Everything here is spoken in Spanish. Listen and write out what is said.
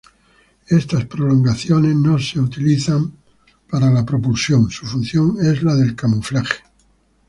Estas prolongaciones no son utilizadas para la propulsión; su función es la del camuflaje.